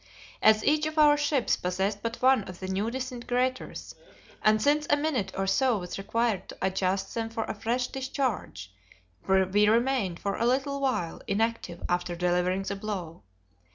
As each of our ships possessed but one of the new disintegrators, and since a minute or so was required to adjust them for a fresh discharge, we remained for a little while inactive after delivering the blow.